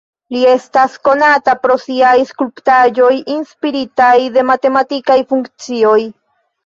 Li estas konata pro siaj skulptaĵoj inspiritaj de matematikaj funkcioj.